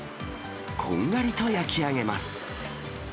こんがりと焼き上げます。